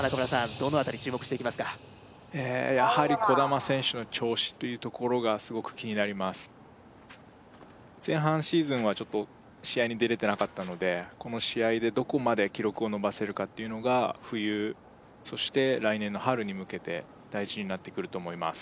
どの辺り注目していきますかやはり兒玉選手の調子というところがすごく気になります前半シーズンはちょっと試合に出れてなかったのでこの試合でどこまで記録を伸ばせるかっていうのが冬そして来年の春に向けて大事になってくると思います